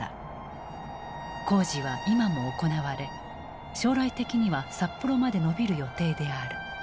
工事は今も行われ将来的には札幌まで延びる予定である。